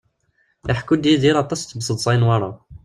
Iḥekku-d Yidir aṭas timseḍṣa i Newwara.